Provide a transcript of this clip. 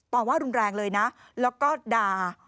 ต่อว่ารุนแรงเลยนะแล้วก็ด่า